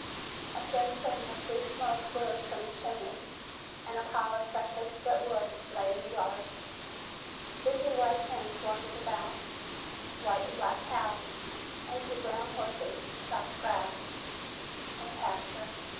A thin plume of blue smoke rose from the chimney, and a pile of freshly split wood lay in the yard. Busy white hens wandered about. White and black cows and two brown horses cropped grass in a pasture.